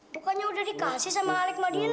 bukannya udah dikasih sama alik madian ya